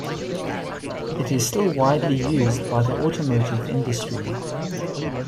It is still widely used by automotive industry.